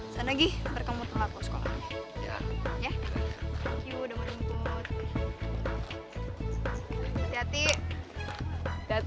sana gi nanti kamu telat ke sekolah